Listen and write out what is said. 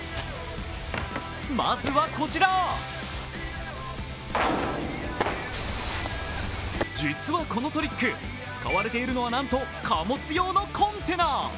まずはこちら、実はこのトリック使われているのは、なんと貨物用コンテナ。